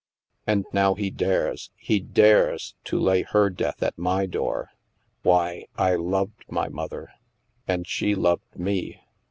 And now he dares — he dares — to lay her death at my door. Why, I loved my mother. And she loved me.